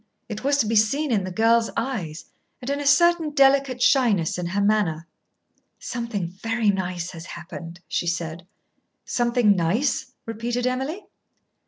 It was to be seen in the girl's eyes, and in a certain delicate shyness in her manner. "Something very nice has happened," she said. "Something nice?" repeated Emily.